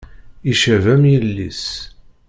Icab am yilis.